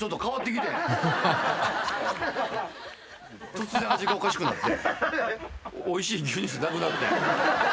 突然味がおかしくなって。